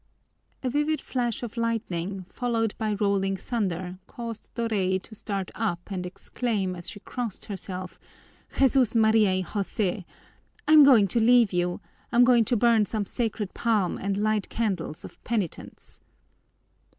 A vivid flash of lightning, followed by rolling thunder, caused Doray to start up and exclaim, as she crossed herself: "Jesús, María, y José! I'm going to leave you, I'm going to burn some sacred palm and light candles of penitence."